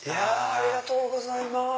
ありがとうございます。